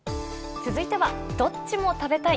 続いては、どっちも食べたい！